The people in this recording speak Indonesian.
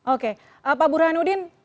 oke pak burhanudin